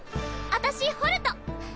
私ホルト！